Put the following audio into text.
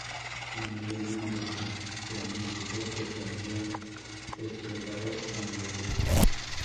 La Media Luna Roja iraní dijo que se había desplegado en el área.